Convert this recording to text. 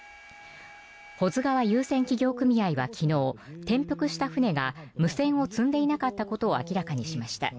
保津川遊船企業組合は昨日転覆した船が無線を積んでいなかったことを明らかにしました。